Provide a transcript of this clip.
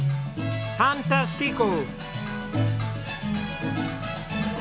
ファンタスティコ！